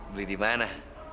beli di mana